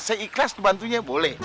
saya ikhlas ngebantunya boleh